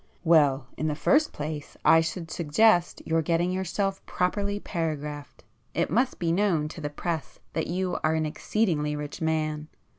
"Well, in the first place I should suggest your getting yourself properly paragraphed. It must be known to the press that you are an exceedingly rich man.